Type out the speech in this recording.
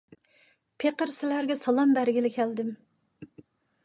پېقىر سىلەرگە سالام بەرگىلى كەلدىم.